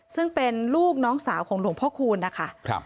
ซึ่งเป็นลูกน้องสาวของหลวงพ่อคูณนะคะ